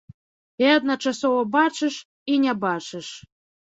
І адначасова бачыш, і не бачыш.